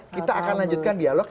kita akan lanjutkan dialog